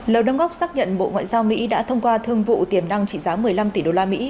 lầu đâm góc xác nhận bộ ngoại giao mỹ đã thông qua thương vụ tiềm năng trị giá một mươi năm tỷ đô la mỹ